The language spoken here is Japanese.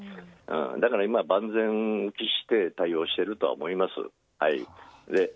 だから今は万全を期して対応していると思います。